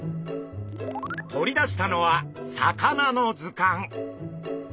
取り出したのは魚のずかん。